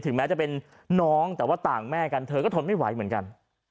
แม้จะเป็นน้องแต่ว่าต่างแม่กันเธอก็ทนไม่ไหวเหมือนกัน